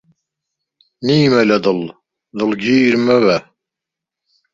نیمە لە دڵ، دڵگیر مەبە